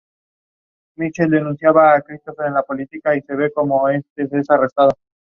Según el denunciante Alonso actúa con parcialidad manifiesta.